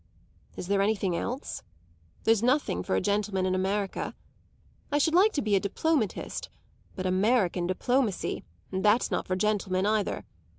Is there anything else? There's nothing for a gentleman in America. I should like to be a diplomatist; but American diplomacy that's not for gentlemen either.